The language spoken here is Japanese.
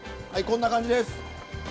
はいこんな感じです。